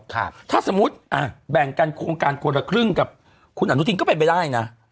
ถ้าสมมุติอ่ะแบ่งกันโครงการคนละครึ่งกับคุณอนุทินก็เป็นไปได้นะ